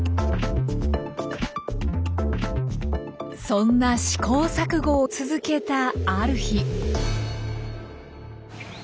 そんな試行錯誤を続けたある日。